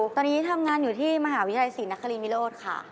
ตอนนี้ทำงานอยู่ที่มหาวิทยาลัยศรีนครินวิโรธค่ะ